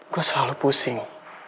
gue selalu pusing